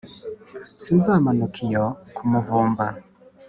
sinzamanuka iyo ku muvumba